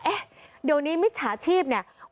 เอ๊ะเดี๋ยวนี้มิจฉาชีพเนี่ย